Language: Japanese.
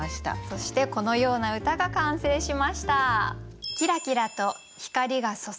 そしてこのような歌が完成しました。